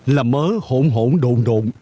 là mớ hỗn hỗn độn độn